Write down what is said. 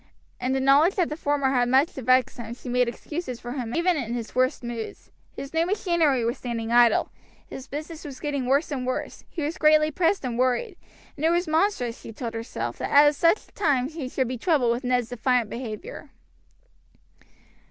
In the knowledge that the former had much to vex him she made excuses for him even in his worst moods. His new machinery was standing idle, his business was getting worse and worse, he was greatly pressed and worried, and it was monstrous, she told herself, that at such a time he should be troubled with Ned's defiant behavior.